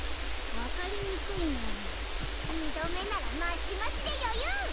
分かりにくいメン２度目ならマシマシで余裕！